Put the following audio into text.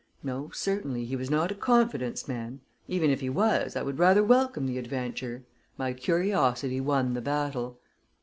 No, certainly, he was not a confidence man even if he was, I would rather welcome the adventure. My curiosity won the battle.